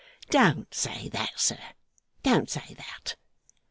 'Don't say that, sir, don't say that.